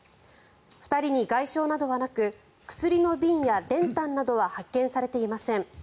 ２人に外傷などはなく薬の瓶や練炭などは発見されていません。